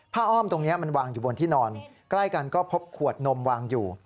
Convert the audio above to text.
อ้อมตรงนี้มันวางอยู่บนที่นอนใกล้กันก็พบขวดนมวางอยู่